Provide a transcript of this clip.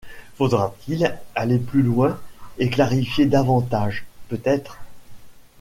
Faudra-t-il aller plus loin et clarifier davantage ? Peut-être.